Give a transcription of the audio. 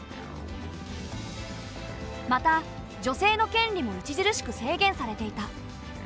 また女性の権利も著しく制限されていた。